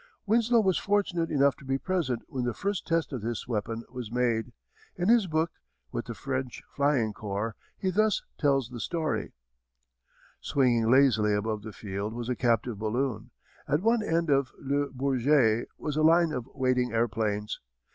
Winslow was fortunate enough to be present when the first test of this weapon was made. In his book, With the French Flying Corps, he thus tells the story: Swinging lazily above the field was a captive balloon. At one end of Le Bourget was a line of waiting airplanes.